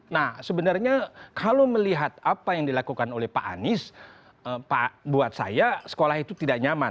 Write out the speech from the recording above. nah sebenarnya kalau melihat apa yang dilakukan oleh pak anies buat saya sekolah itu tidak nyaman